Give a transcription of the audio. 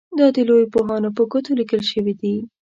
دا د لویو پوهانو په ګوتو لیکل شوي دي.